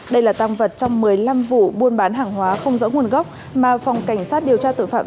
đây là tăng vật trong một mươi năm vụ buôn bán hàng hóa không rõ nguồn gốc mà phòng cảnh sát điều tra tội phạm